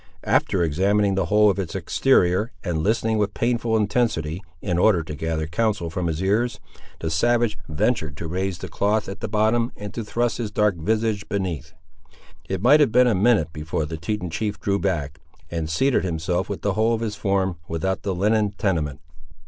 After examining the whole of its exterior, and listening with painful intensity, in order to gather counsel from his ears, the savage ventured to raise the cloth at the bottom, and to thrust his dark visage beneath. It might have been a minute before the Teton chief drew back, and seated himself with the whole of his form without the linen tenement.